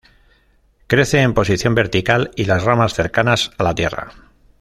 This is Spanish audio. Crece en posición vertical y las ramas cercanas a la tierra.